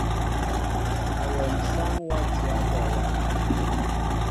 Awém sááŋ watiyă ɓɔlɔ.